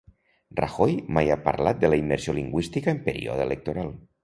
Rajoy mai ha parlat de la immersió lingüística en període electoral